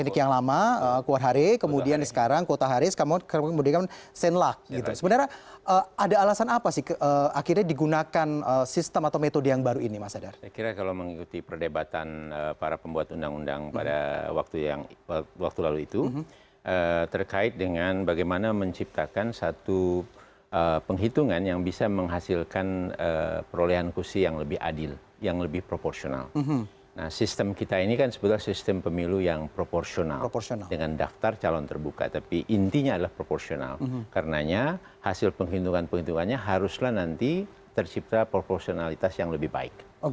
karena hasil penghitungan penghitungannya haruslah nanti tercipta proporsionalitas yang lebih baik